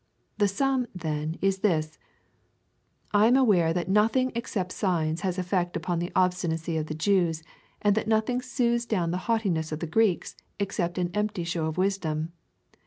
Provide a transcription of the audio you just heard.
The sum, then, is this :—" I am aware that nothing except signs has eiFect upon the obstinacy of the Jews, and that nothing soothes down the haughtiness of the Greeks, except an empty show of wisdom.